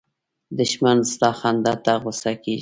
دښمن ستا خندا ته غوسه کېږي